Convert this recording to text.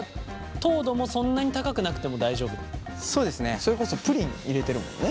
それこそプリン入れてるもんね。